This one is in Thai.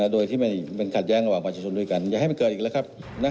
โดยที่ไม่ขัดแย้งระหว่างประชาชนด้วยกันอย่าให้มันเกิดอีกแล้วครับ